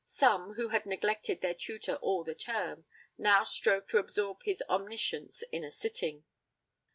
Some, who had neglected their tutor all the term, now strove to absorb his omniscience in a sitting.